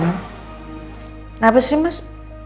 kenapa sih mas